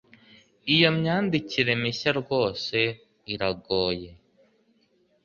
Iyo myandikire mishya rwose iragoye